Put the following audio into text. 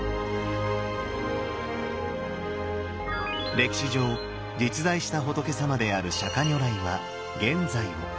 歴史上実在した仏さまである釈如来は現在を。